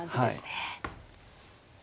はい。